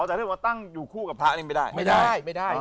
อ๋อถ้าให้อยู่คู่กับพระอันเนี่ยไม่ได้